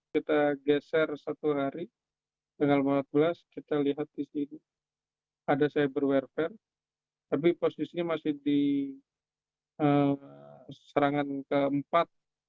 kita geser satu hari tanggal empat belas kita lihat di sini ada cyber warfare tapi posisinya masih di serangan keempat